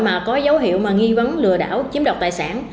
mà có dấu hiệu mà nghi vấn lừa đảo chiếm đoạt tài sản